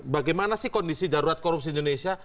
bagaimana sih kondisi darurat korupsi indonesia